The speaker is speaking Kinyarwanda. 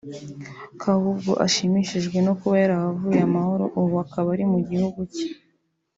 ko ahubwo ashimishijwe no kuba yarahavuye amahoro ubu akaba ari mu gihugu cye